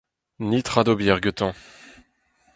Netra d'ober gantañ.